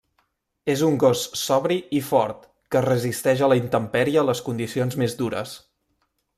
És un gos sobri i fort, que resisteix a la intempèrie les condicions més dures.